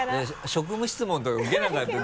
職務質問とか受けなかった？